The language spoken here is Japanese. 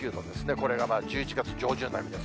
これが１１月上旬並みです。